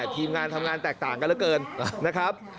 ทีมงานทำงานแตกต่างกันเหลือเกินนะครับ